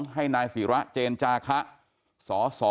ให้นายศิระเจนจาคะสส